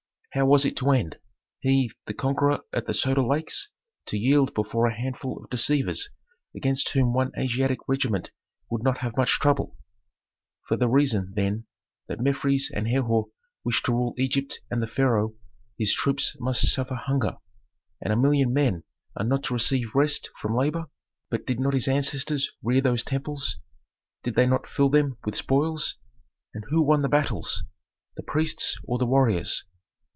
How was it to end? He, the conqueror at the Soda Lakes, to yield before a handful of deceivers against whom one Asiatic regiment would not have much trouble? For the reason, then, that Mefres and Herhor wish to rule Egypt and the pharaoh, his troops must suffer hunger, and a million men are not to receive rest from labor? But did not his ancestors rear these temples. Did they not fill them with spoils? And who won the battles? The priests, or the warriors?